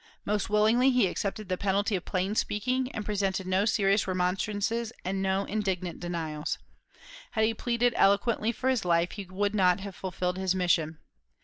Most willingly he accepted the penalty of plain speaking, and presented no serious remonstrances and no indignant denials. Had he pleaded eloquently for his life, he would not have fulfilled his mission.